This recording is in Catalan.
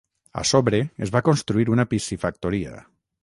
A sobre es va construir una piscifactoria.